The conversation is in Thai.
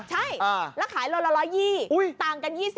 ใช่แล้วขายโลละ๑๒๐ต่างกัน๒๐